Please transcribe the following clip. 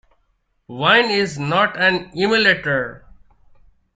Wine is not an emulator.